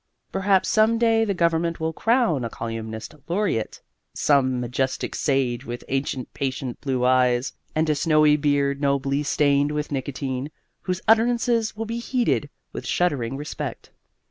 Perhaps some day the government will crown a Colyumist Laureate, some majestic sage with ancient patient blue eyes and a snowy beard nobly stained with nicotine, whose utterances will be heeded with shuddering respect.